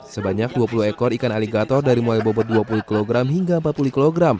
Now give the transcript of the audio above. sebanyak dua puluh ekor ikan aligator dari mulai bobot dua puluh kg hingga empat puluh kg